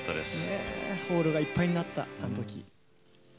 ホールがいっぱいになったあの時。